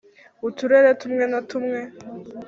uturere tumwe na tumwe